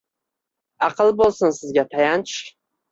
Аql boʼlsin sizga tayanch